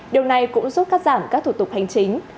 điều này cũng giúp cắt giảm các thủ tục hành chính